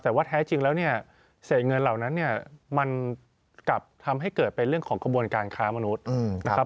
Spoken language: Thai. แต่ว่าแท้จริงแล้วเนี่ยเศษเงินเหล่านั้นเนี่ยมันกลับทำให้เกิดเป็นเรื่องของกระบวนการค้ามนุษย์นะครับ